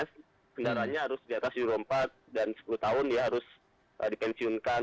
kendaraannya harus di atas euro empat dan sepuluh tahun dia harus dipensiunkan